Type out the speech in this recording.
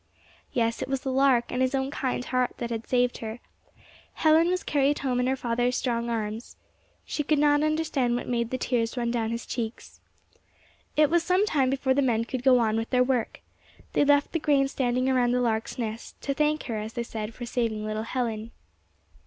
Yes, it was the lark, and his own kind heart, that had saved her. Helen was carried home in her father's strong arms. She could not understand what made the tears run down his cheeks. It was some time before the men could go on with their work. They left the grain standing around the lark's nest, to thank her, as they said, for saving little Helen.